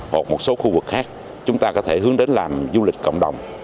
hoặc một số khu vực khác chúng ta có thể hướng đến làm du lịch cộng đồng